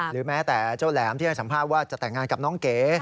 แม้แต่เจ้าแหลมที่ให้สัมภาษณ์ว่าจะแต่งงานกับน้องเก๋